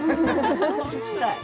行きたい。